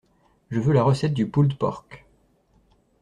Je veux la recette du pulled pork.